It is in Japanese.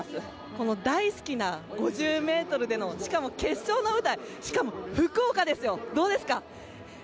この大好きな５０ｍでのしかも決勝の舞台しかも福岡ですよどうですか？